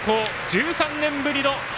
１３年ぶりの春